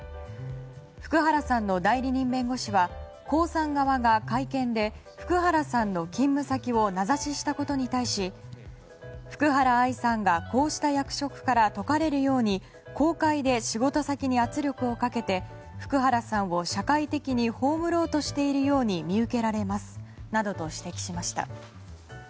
福原さんの代理人弁護士は江さん側が会見で福原さんの勤務先を名指ししたことに対し福原愛さんがこうした役職から解かれるように公開で仕事先に圧力をかけて福原さんを社会的に葬ろうとしているように見受けられますなどと指摘しました。